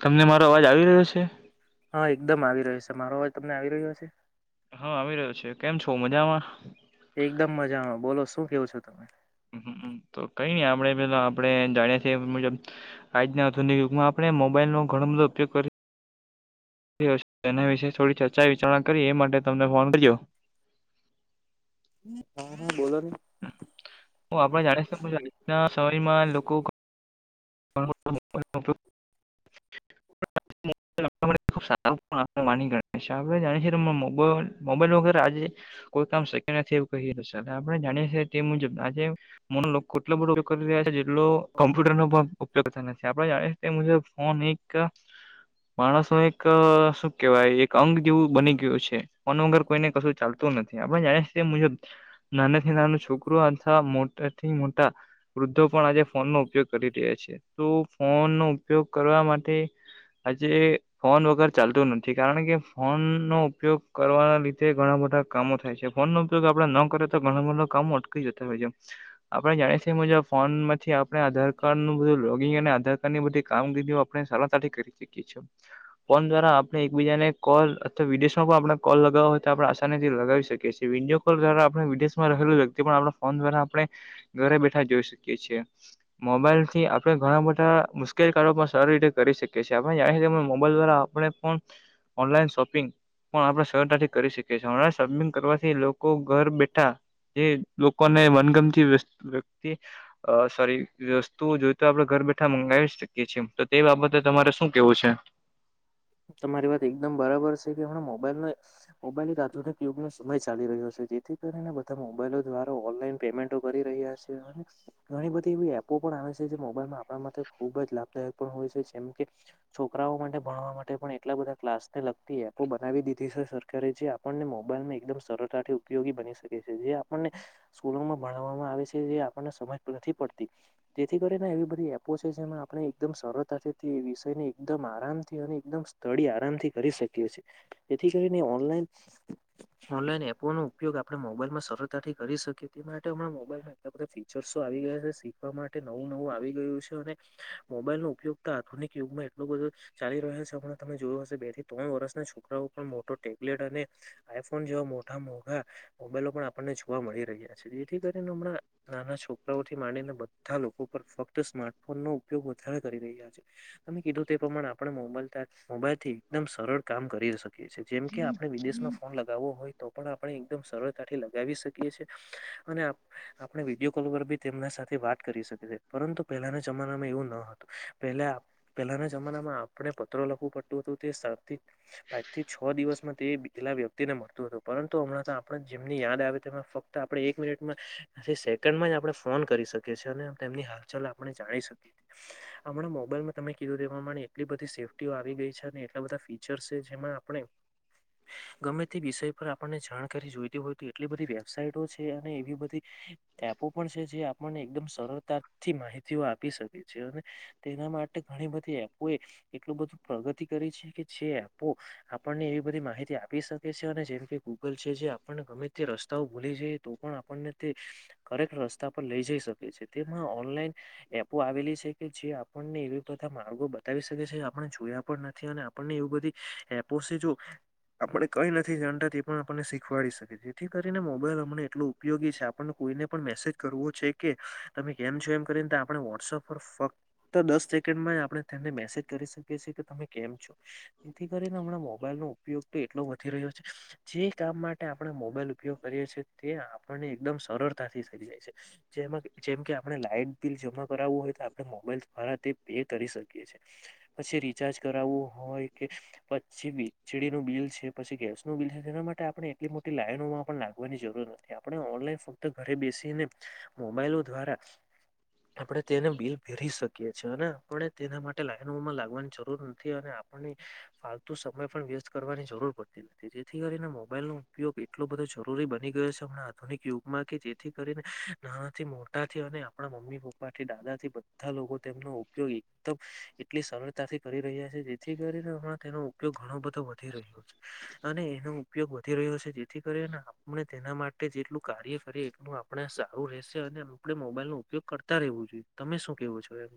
તમને મારો અવાજ આવી રહ્યો છે? હા એકદમ આવી રહ્યો છે મારો અવાજ તમને આવી રહ્યો છે? હા આવી રહ્યો છે કેમ છો મજામાં? એકદમ મજામાં બોલો શું કેવો છો તમે? તો કઈ નઈ આપણેે આપણે જાણીએ છીએ મુજબ. આજ નાધનયુગમાં આપણે મોબાઈલ નો ઘણો બધો ઉપયોગ કરી રહ્યો એના વિશે થોડી ચર્ચા વિચારણા કરી એ માટે તમને ફોન કજ્યો. હા હ બોલો ને. હું આપડે જાણી શ છું આજના સમયમાં લોકો [unintelligible] સાર [unintelligible] ગ આપણે જાણીએ છએ મો મોબાઈલ વગર આજે કોઈ કામ શક્ય નથી એવું કહી રહ્યું છે આપણે જાણીએ છીએ તે મુજબ આજે મને લોકો કેટલો બધો કરી રહ્યા છે જે એટલો કોમ્પ્યુટરનો પણ ઉપયોગ થાય છે આપણેે જાણીએ તે મુજબ ફોન એક. માણસનું એક શું કેવાય એક અંગ જેવું બની ગયું છે. ફોન વગર કોઈને કશું ચાલતું નથી આપણે જાણીએ મુજબ નાનાથી નાનું છોકરું અથવા મોટાથી મોટા વૃદ્ધો પણ આજે ફોનનો ઉપયોગ કરી રહ્યા છે, તો ફોનનો ઉપયોગ કરવા માટે આજે ફોન વગર ચાલતું નથી કારણ કે ફોન ફોનનો ઉપયોગ કરવાના લીધે ઘણા બધા કામો થાય છે ફોન ન ઉપયોગ આપણે ન કરે તો ઘણ બધું કામો અટકી જતા હોય છે. આપણે જાણીએ છે, મુજબ ફોનમાંથી આપણે આધાર કાર્ડનું બ લોગિંગ અને આધાર કાર્ડની બધી કામગીરીઓ આપણે સરળતાથી કરી શકીએ છે. ફોન દ્વારા આપણે એકબીજાને કોલ અથવા વિદેશમાં પણ આપણે કોલ લગાવો હોય તો આપણે આસાનીથી લગાવી શકીએ વિડીયો કોલ દ્વારા આપણે વિદેશમાં રહેલું વ્યક્તિ પણ આપણા ફોન દ્વારા આપણે ઘરે બેઠા જોઈ શકીએ છીએ મોબાઈલથી આપણે ઘણા બધા મુશ્કેલ કારો પણ સારી રીતે કરી શકીએ છે, આપણે જાણીએ મોબાઈલ દ્વારા આપણે પણ ઓનલાઇન શોપિંગ પણ આપણે સરતાથી કરી શકીએ છે ઓનલાઇન શોપિંગ કરવાથી લોકો ઘર બેઠા જે લોકોને મનગમતી વસ વ્યક્તિ અ સોરી વસ્તુ જો તો આપડે ઘર બેઠા મંગાવી શકીએ છે, ત તે બાબતે તમારે શું કેવું છે? તમારી વાત એકદમ બરાબર છે કે હમણા મોબાઈલને મોબાઈલ આધુનિક યુગનો સમય ચાલી રહ્યો છે, જેથી કરીને બધા મોબાઈલો દ્વારા ઓનલાઈન પેમેન્ટો કરી રહ્યા [inaudible] ઘણી બધી એવી એપો પણ આવે છે, જે મોબાઈલમાં આપણા માટે ખુબ જ લાભદાયક પણ હોય છે, જેમ કે છોકરાઓ માટે ભણવા મા તે પણ એટલા બધા ક્લાસને લગતી એપો બનાવી દીધી છે, સરકારે જે આપણને મોબાઈલને એકદમ સરળતાથી ઉપયોગી બની શકે છે, જે આપણને સ્કૂલોમાં ભણાવામાં આવે છે, જે આપણને સમજ નથી પડતી જેથી કરીને એવી બધી એપો છે, જેમાં આપણે એકદમ સરળતાથીથી વિષયની એકદમ આરામથી અને એકદમ સ્થળી આરામથી કરી શકીએ છે, જેથી કરીને ઓનલાઈન ઓનલાઈન એપોનો ઉપયોગ આપણે મોબાઈલમાં સરળતાથી કરી શકીએ તે માટે હમણા મોબાઇલ એટલા બધા ફીચર્સો આવી ગયા છે, શીખવા માટે નવું નવું આવી ગયું છે, અને મોબાઈલનો ઉપયોગ તો આધુનિક યુગમાં એટલો બધો ચાલી રહ્યો હમણા તમે જોયું હશે બે થી ત્રણ વર્ષના છોકરાઓ પણ મોટો ટેબ્લેટ અને આઈફોન જેવા મોટા મોઘા મોબાઈલો પણ આપણને જોવા મળી રહ્યા છે, જેથી કરીને હમણાં નાના છોકરાઓથી માંડીને બધા લોકો પણ ફક્ત સ્માર્ટફોનનો ઉપયોગ વધારે કરી રહ્યા છે. તમે કીધું તે પ્રમાણે આપણે મોબાઈલ તા મોબાઈલથી એકદમ સરળ કામ કરી શકીએ છે, જેમ કે આપણે વિદેશમાં ફોન લ ગાવો હોય તો પણ આપણે એકદમ સરળતાથી લગાવી શકીએ છે, અને આપણે વિડીયો કોલ પર બી તેમના સાથે વાત કરી શકીએ પરંતુ પહેલાના જમાનામાં એવું ન હ પહેલા પેહલાના જમાનામાં આપણે પત્ર લખવું પડતું હતુ તે સથી પાંચ થી છ દિવસમાં તે પેલા વ્યક્તિને મળતો હતો પરંતુ હમણાં આપણે જેમની યાદ આવે તેમાં ફક ત આપણે એક મિનિટમાં સેકન્ડમાં જ આપણે ફોન કરી શકીએ છે, અને તેમની હાલચલ આ પણે જાણી શકીએ આપણા મોબાઈલમાં તમે કીધું તે પ્રમાણે એટલી બધી સેફ ટીઓ આવી ગઈ છે, અને એટલા બધા ફીચર્સ છે, જેમાં આપણે ગમે તે વિષય પર આપણને જાણકારી જોઈતી હોય તો એટલી બધી વેબસાાઈટો છે, અને એવી બધી એપો પણ છે, જે આપણને એકદમ સરળતાથી માહિતીઓ આપી શકે છે, અને તેના માટે ઘણી બધી એપોએ એટલું બધું પ્રગતિ કરી છે, કે જે એપો આપણને એવી બધી માહિતી આપી શકે છે, અને જેમ કે ગૂગલ છે, જે આપણને ગમે તે રસ્તાઓ ભૂલી જઈ તો પણ આપણને તે કરેક્ટ રસ્તા પર લઈ જઈ શકે છે, તેમાં ઓનલાઈન એપો આવેલી છે, કે જે આપણને એવી બધા માર્ગો બતાવી શકે છે. આપણે જોયા પણ નથી અને આપણને એવું બધી એપો છે, જો આપણે કઈ નથી જાણતા તે પણ આપણને શીખવાડી શકે જેથી કરીને મોબાઈલ હમને એટલું ઉપયોગી છે, આપણને કોઈને પણ મેસેજ કરવો છે, કે તમે કેમ છો એમ કરીને આપણે વોટ્સઅપ પર ફ ત દસ સેકન્ડમાં આપણે તેમને મેસેજ કરી શકીએ છીએ કે તમે કેમ છો? જેથી કરીને હમણાં મોબાઈલ નો ઉપયોગ તો એટલો વધી રહ્યો છે. જે કામ માટે આપણે મોબાઈલ ઉપયોગ કરીએ છે, તે આપણને એકદમ સરળતાથી જાય છે. જેમાં જેમ કે આપણે લાઈટ બિલ જમા કરાવવું હોય તો આપણે મોબાઈલ દ્વારા તે પે કરી શકીએ છે. પછી રિચાર્જ કરાવવું હોય કે પછી વીજળનું બિલ છે, પછી ગેસ નું બિલ છે, તેના માટે આપણે એટલી મોટી લાઈનોમાં પણ લાગવાની જરૂર ન આપણે ઓનલાઈન ફક્ત ઘરે બેસીને મોબાઈલો દ્વારા આપડે તેને બિલ ભેરી શકીએ છેએ અને આપણે તેના માટે લાઈનોમાં લાગ [unintelligible] જરૂર નથી અને આપને ફાલતુ સમય પણ વેસ્ટ કરવાની જરૂર પડતી નથી જેથી કરીને મોબાઈલ નો ઉપયોગ એટલો બધો જરૂરી બની ગયો છે હમણા આધુનિક યુગમાં કે જેથી કરીને નાનાથી મોટાથી અને આપણા મમ્મી પપ્પા પા દાદા થી બધા લોકો તેમનો ઉપયોગ એકદમ એટલી સરળ તાથી કરી રહ્યા છે જેથી કરીને હમણાં તેનો ઉપયોગ ઘણો બધો વધી રહ્યો છે અને એનો ઉપયોગ વધી રહ્યો છે જેથી કરીને આપણે તેના માટે જેટલું કાર્ય કરીએ એટલું આપ આપણે સારું રહેશે અને આપણે મોબાઈલ નો ઉપયોગ કરતા રહેવું જોઈએ તમે શું કેવો છો એ? [inaudible]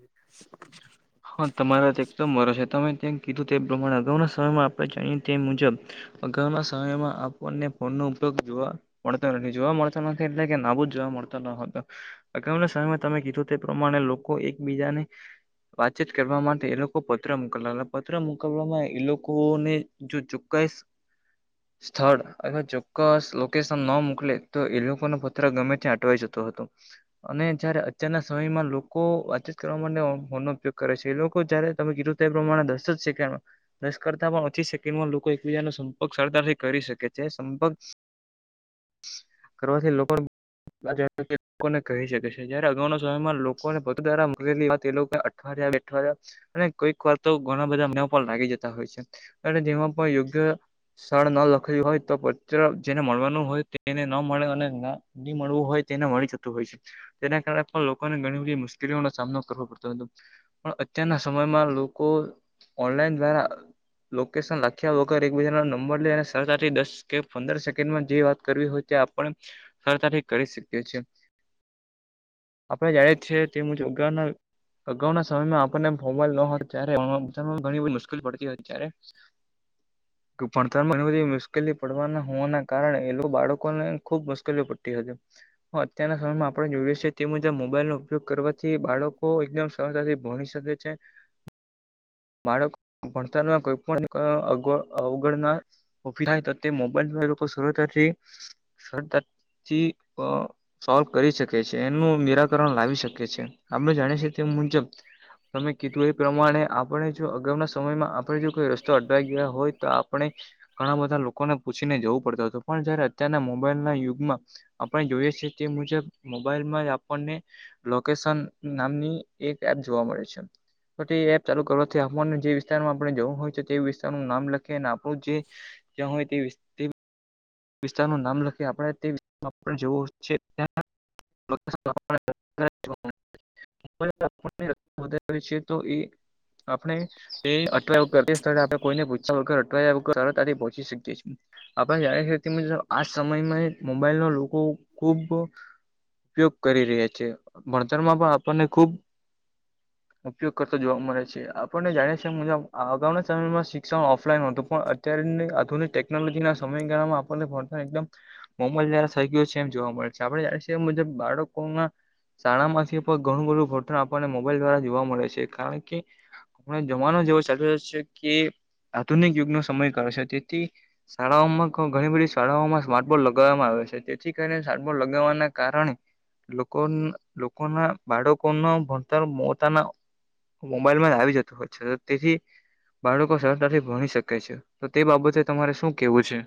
હા તમારા એકદમ બરો છે તમે ત્યાં કીધું તે પ્રમાણે અગાના સમયમાં આપણે જાણીએ તે મુજબ અગાઉના સમયમાં આપણને ફોન નો ઉપયોગ જોવા મળતો નથી જોવા મળતો નથી એટલે કે નાબૂદ જોવા મળતો નતો અગાઉના સમ તમે કીધું તે પ્રમાણે લોકો એકબીજાને વાતચીત કરવા માટે એ લોકો પત્ર મોકલલા પત્ર મુકલવામાં એ લોકોને જો ચોક્કસ સ્થળ અવા ચોક્કસ લોકેશન ના મોકલે તો એ લોકો ન પત્ર ગમે ત્યાં અટવાઈ જતો હતો. અને જયારે અત્યારના સમયમાં લોકો વાતચીત કરવા માટે હોનો ઉપયોગ કરે છે એ લોકો જયારે તમે કીધું એ પ્રમાણે દસ જ શેખ ન કરતા પણ ઓછી સેકન્ડમાં લોકો એકબીજાનો સંપર્ક સરદારથી કરી શકે છે સંપર્ક કરવાથી લોકો [unintelligible] કોને કહી શકે છે જયારે અગાઉના સમયમાં લોકોને [unintelligible] દ્વારા [unintelligible] તે લોકો [unintelligible] અને કોઈક વાર તો ઘણા બધા અ પણ લાગી જતા હોય છે. અને જેમાં પણ યોગ્ય સ્થાળ ન લખેલું હોય તો જેને મળવાનું હોય તેને ન મળે અને ની મળવું હોય તેને મળી જતું હોય છે. તેના કારણે પણ લોકોને ઘણી બધી મુશ્કેલીઓનો સામનો કરવો પડતો હોય પણ અત્યારના સમયમાં લોકો ઓનલાઈન દ્વારા લોકેશન લખ્યા વગર એકબીજાનો નંબર લઈ અને સરળતાથી દસ કે પંદર સેકન્ડમાં જે વાત કરવી હોય તે આપણે સરળતાથી કરી શકીએ છે. આપડે જાણે જ છે તે મુ જોગાના અગાઉના સમયમાં આપણને મોબાઈલ ન હો ત્યારે ઘણીધી મુશ્કેલી પડતી હતી ત્યારે [inaudible] ભણતરમાં ઘણી બધી મુશ્કેલી પડવાના હોવાના કારણે એ લોકો બાળકો ને ખુબ મુશ્કેલીઓ પડતી હતી. હ અત્યારના સમયમાં આપણે જોઈએ છીએ તે મુજબ મોબાઈલનો ઉપયોગ કરવાથી બાળકો એકદમ સરળતાથી ભણી શકે છે બાળક ભણતરમાં કોઈ પણ અ અવગણના [unintelligible] તો તે મોબાઈલ લોકો શથી શથી અ સોલ્વ કરી શકે છે એનું નિરાકરણ લાવી શકે છે આપણે જાણીએ છીએ તે મુજબ તમે કીધું એ પ્રમાણે આપણે જો અગાઉના સમયમાં આપણે જો કોઈ રસ્તો અટવાઈ ગયા હોય તો આપણે ઘણા બધા લોકોને પૂછીને જવું પડતું હતું પણ જયારે અત્યારના મોબાઈલ ના યુગમાં આપણે જોઈએ છીએ તે મુજબ મોબાઈલમાં જ આપણને લોકેશન નામની એક એપ જોવા મળે છે. તો એપ ચાલુ કરવાથી આપમાનને જે વિસ્તારમાં આપણે જવું હોય છે તે વિસ્તારનું નામ લખીએ અને આપણું જે. જ્યાં હોય તે વિસ્તાર નું નામ લખીએ આપણે તે વિસ્તારમાં જેવો છે. [unintelligible] [unintelligible] છે તો એ આપણે એ [unintelligible] આપ કોઈને પૂછ્યા વગર સરળતાથી પહોચી શકીએ છીએ આપણે જાણે તે મિત્ર આ સમયમાં મોબાઈલનો લોકો ખુબ ઉપયોગ કરી રહ્યા છે ભણતરમાં પણ આપણને ખુબ ઉપયોગ કરતો જોવા મળે છે આપણને જાણીએ છીએ મુજબ આગઉના સમયમાં શિક્ષણ ઓફલાઈન હતું પણ અત્યારની આધુનિક ટેકનોલોજીના સમયગાળામાં આપણને ફોન તો એકદમ [unintelligible] થઈ ગયો છે એમ જોવા મળે છે આપ [unintelligible] મુજબ બાળકોમાં શાળા માંથી પણ ઘણું બધું [unintelligible] આપણને મોબાઈલ દ્વારા જોવા મળે છે કારણ કે આપણે જમાનો જ એવો ચલી રહ્યો છે કે આધુનિક યુગનો સમય કહે છે તેથી શાળાઓમાં ઘણી બધી શાળાઓમાં સ્માર્ટબોર્ડ લગાવવામાં આવે છે જેથી કરીને સ્માર્ટબોર્ડ લગાવવાના કારણે લોકો લોકોના બાળકો ના ભણતર પોતાના મોબાઈલમાં જ આવી જતું હોય છે તો તેથી બાળકો સરળતાથી ભણી શકે છે તો તે બાબતે તમારે શું કેવું છે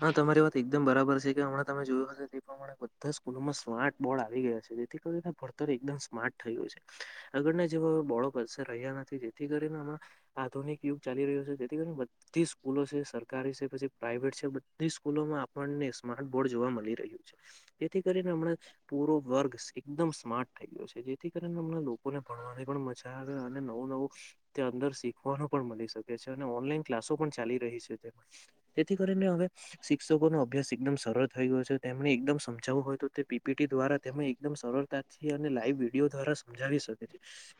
હા તમારી વાત એકદમ બરાબર છે કે હમણાં તમે જોયું અહે તે પ્રમાણે બધા સ્કૂલોમાં સ્માર્ટ બોર્ડ આવી ગયા છે જેથી કરી ભણતર એકદમ સ્માર્ટ થઈ ગયું છે. અગળના જેવો બોળો કસે રહ્યા નથી જેથી કરીને હમણાં આધુનિક યુગ ચાલી રહ્યું છે જેથી કરીને બધી જ સ્કૂલો છે સરકારી છે પસી પ્રાાઈવેટ છે બધી સ્કૂલોમાં આપણને સ્માર્ટ બોર્ડ જોવા મલી રહ્યું છે. જેથી કરીને હમણાં જ પૂરો વર્ગ એકદમ સ્માર્ટ થઈ ગયો છે જેથી કરીને અમને લોકોને ભણવાની પણ મજા આવે અને નવું નવું ત્યાં અંદર શીખવાનું પણ મલી શકે છે અને ઓનલાઈન ક્લાસો પણ ચાલી રહી છે તે તેથી કરીને હવે શિક્ષકોનો અભ્યાસ એકદમ સરળ થઈ ગયો છે તેમને એકદમ સમજાવવું હોય તો પીપીટી દ્વારા તેમ એકદમ સરળતા અને લાઈવ વિડીયો દ્વારા સમજાવી શકે છે.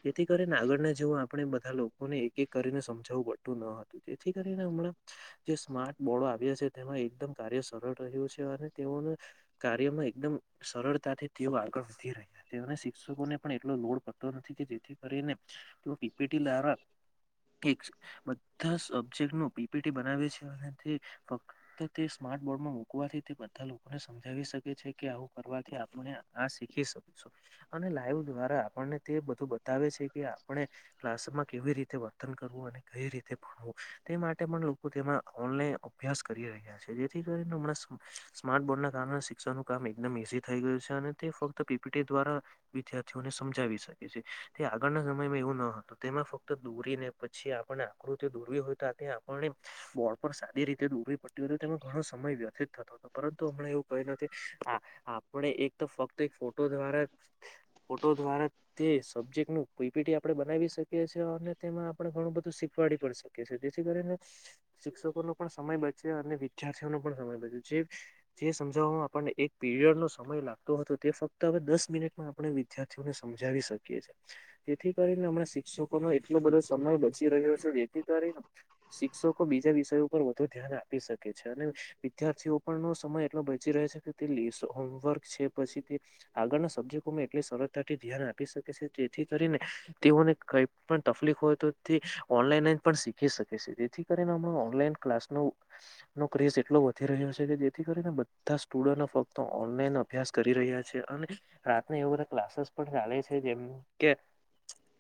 જેથી કરીને આગળના જેવું આપણે બધા લોકોને એક એક કરીને સમજાવવું પડતું ન હતું તેથી કરીને હમણાં જે સ્માર્ટ બોર્ડો આવ્યા છે તેમાં એકદમ કાર્ય સરળ રહ્યું છે અને તેઓને કાર્યમાં એકદમ સરળતાથી તેઓ આગળ વધી રહ્યો તેઓને શિક્ષકોને પણ એટલો લોડ પડતો નથી કે જેથી કરીને તે ટીપેટી દ્વારા એક બધા સબ્જેક્ટ નું પીપીટી બનાવે છે અને તે તો તે સ્માર્ટ બોર્ડમાં મુૂકવાથી તે બધા લોકોને સમજાવી શકે છે કે આવું કરવાથી આપણે આ શીખી શકીશું અને લાઈવ દ્વારા આપણને તે બધું બતાવે છે કે આપણે ક્લાસમાં કેવી રીતે વર્તન કરવું અને કઈ રીતે ભણવું તે માટે પણ લોકો તેમાં ઓનલાઈન અભ્યાસ કરી રહ્યા છે જેથી કરી હમણાં સ્માર્ટ બોર્ડના કારણે શિક્ષણનું કામ એકદમ ઈઝી થઈ ગયું છે અને તે ફક્ત પીપીટી દ્વારા વિદ્યાર્થીઓને સમજાવી શકે છે તે આગળના સમયમાં એવું ન હતું તેમાં ફક્ત દોરીને પછી આપણે આકૃતિ દૂરવી હોય તો તે આપણને બોર્ડ પર સારી રીતે દૂરવી પડતી હોય તેમાં ઘણો સમય વ્યથિત થતો પરંતુ હમણા એવું કય નથી આ આપણે એક તો ફક્ત એક ફોટો દ્વારા ફોટો દ્વારા તે સબ્જેક્ટ નું પપીટી આપણે બનાવી શકીએ છીએ એ અને તેમાં આપણે ઘણું બધું શીખવાડી પણ શકીએ જેથી કરીને શિક્ષકો ન પણ સમય બચે અને વિદ્યાર્થીઓનો પણ સમય બચે જે જે સમજાવવામાં આપણને એક પીરિયડ નો સમય લાગતો હતો તે ફક્ત હવે દસ મિનિટમાં આપણે વિદ્યાર્થીઓને સમજાવી શકીએ છીએ જેથી કરીને હમણાં શિક્ષકો નો એટલો બધો સમય બચી રહ્યો છે જેથી કરી શિક્ષકો બીજા વિષયો ઉપર વધુ ધ્યાન આપી શકે છે અને વિદ્યાર્થીઓ પણ નો સમય એટલો બચી રહે છે, કે તે હોમવર્ક છે પછી તે આગળના સબ્જેક્ટોમાં એટલી સરળતાથી ધ્યાન આપી શકે છે જેથી કરીને તેઓને કઈ પણ તકલીફ હોય તો તે ઓનલાઈન જ પણ શીખી શકે છે જેથી કરીને હમણા ઓનલાઈન ક્લાસ નો નો ક્રેઝ એટલો વધી રહ્યો છે, કે જેથી કરીને બધા સ્ટુડન્ટ ફક્ત ઓનલાઈન અભ્યાસ કરી રહ્યા છે અને રાતના એવ બધા ક્લાસીસ પણ ચાલે છે, જેમ કે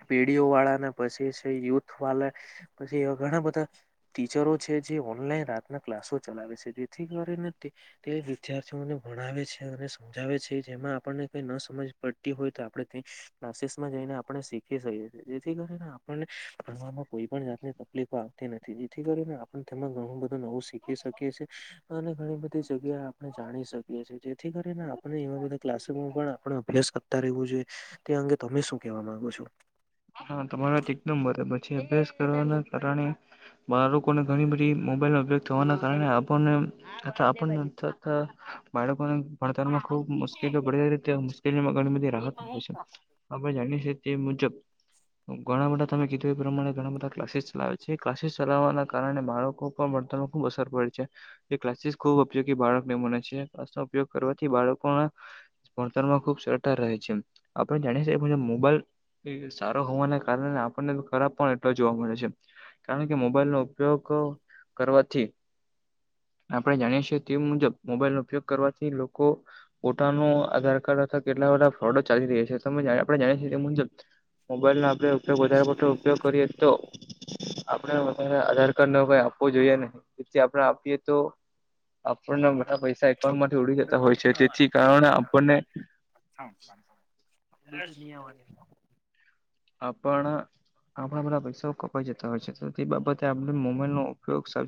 પેઢીઓ વાળા ને પછી છે, યુથ વાળા પછી એવા ઘણા બધા. ટીચરો છે, જે ઓનલાઈન રાતના ક્લાસો ચલાવે છે જેથી કરીને તે તે વિદ્યાર્થીઓને ભણાવે છે અને સમજાવે છે. જેમાં આપણને કઈ ન સમજ પડતી હોય તો આપણે. ક્લાસીસ માં જઈને આપણે શીખી શકીએ છીએ, જેથી કરીને આપણને ભણવામાં કોઈ પણ જાત તકલીફો આવતી નથી જેથી કરીને આપ તેમાં ઘણું બધું નવું શીખી શકીએ છીએ. અને ઘણી બધી જગ્યા આપણે જાણી શકીએ છીએ જેથી કરીને આપણે એવા બધા ક્લાસમાં પણ આપ અભ્યાસ કર રહેવું જોઈએ તે અંગે તમે શું કેવા માંગો છો? હા તમારા વાત એકદમ બરે પછી અભ્યાસ કરવાના કારણે. બાળકોને ઘણી બધી મોબાઈલનો ઉપયોગ થવાના કારણે આપણને. અ આપ બાળકોને ભણતરમાં. ખબ મુશ્કેલી પડી મુશ્કેલીમાં ઘણી બધી રાહત મળ છે. આપણે જાણીએ છીએ તે મુજબ. ઘણા બધા તમે કીધું એ પ્રમાણે ઘણા બધા ક્લાસીસ ચલાવે છે ક્લાસીસ ચલાવવાના કારણે બાળકો. મળતા ખુબ અસર પડે છે. એ ક્લાસીસ ખુબ ઉપયોગી બાળકને મને છે. ક્લાસનો ઉપયોગ કરવાથી બાળકોના ભણતરમાં ખુબ સરતા રહે છે. આપણે જાણી શએ મોબાઈલ સારો હોવાને કારણે આપણને ખરાબ પણ એટલો જોવા મળે છે. કારણ કે મોબાઈલ નો ઉપયોગ કરવાથી આપણે જાણીએ છીએ તે મુજબ મોબાઈલ નો ઉપયોગ કરવાથી લોકો. પોતાનો આધાર કાર્ડ અથવા કેટલાધા ફ્રોડ ચાલી રહ્યા છે, તમે આપણે જાણીએ છીએ મુજબ. મોબાઈલ નો આપડે ઉપયોગ વધારે પડતો ઉપયોગ કરીએ તો. આપડ વધારે આધાર કાર્ડ નો કઈ આપવો જોઈએ નને જેથી આપડ આપીએ તો. આપણને બધા પૈસા એકાઉન્ટ માંથી ઉડી બ જતા હોય છે તેથી કારણે આપણને. એ જ નિયમની. આપણા આપણા બધા પૈસાઓ કપાઈ જતા હોય છે. તો તે બાબતે આપડ મોબાઈલ નો ઉપયોગ.